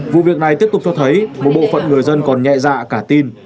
vụ việc này tiếp tục cho thấy một bộ phận người dân còn nhẹ dạ cả tin